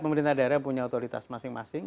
pemerintah daerah punya otoritas masing masing